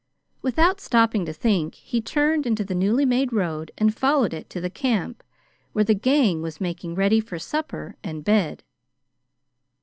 Without stopping to think, he turned into the newly made road and followed it to the camp, where the gang was making ready for supper and bed.